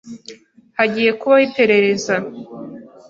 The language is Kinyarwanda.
Hagiye kubaho iperereza.